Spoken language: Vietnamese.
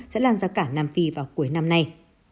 sẽ lan ra cả nam phi vào cuối năm nay